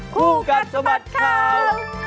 คู่กัดสมัครข่าว